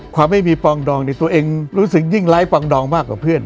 ไม่มีปองดองในตัวเองรู้สึกยิ่งไร้ปองดองมากกว่าเพื่อน